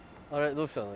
どうしたの？